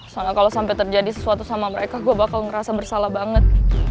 kalau sampai terjadi sesuatu sama mereka gue bakal ngerasa bersalah banget